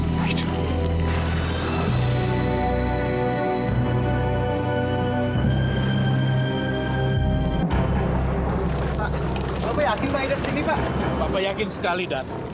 bapak yakin sekali dat